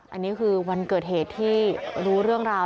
อันนี้คือวันเกิดเหตุที่รู้เรื่องราว